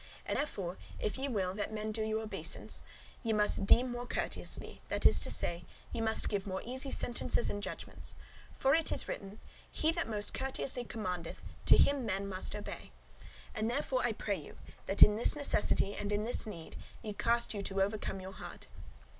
And therefore if ye will that men do you obeisance, ye must deem [decide] more courteously, that is to say, ye must give more easy sentences and judgements. For it is written, 'He that most courteously commandeth, to him men most obey.' And therefore I pray you, that in this necessity and in this need ye cast you [endeavour, devise a way] to overcome your heart.